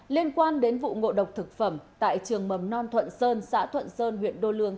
liên quan đến vụ ngộ độc thực phẩm tại trường mầm non thuận sơn xã thuận sơn huyện đô lương